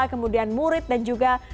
kemudian murid dan juga